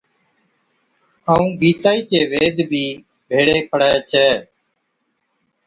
ائُون گِيتائِي چي ويد بِي ڀيڙي پڙهَي ڇَي